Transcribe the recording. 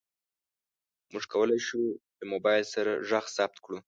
موږ کولی شو له موبایل سره غږ ثبت کړو.